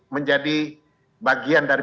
menjadi bagian dari